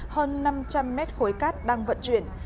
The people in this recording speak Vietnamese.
hơn năm trăm linh mét khối cát đang vận chuyển